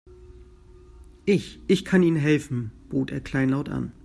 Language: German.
Ich, ich kann Ihnen helfen, bot er kleinlaut an.